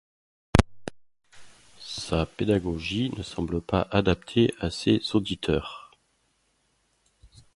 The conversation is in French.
Sa pédagogie ne semble pas adaptée à ses auditeurs.